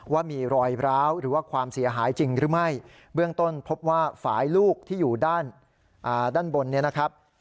ว่ามีรอยร้าวหรือว่าความเสียหายจริงหรือไม่เบื้องต้นพบว่าฝ่ายลูกที่อยู่ด้านด้านบนเนี่ยนะครับ